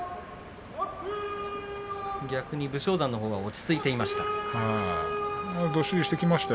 逆に武将山のほうが落ち着いてきました。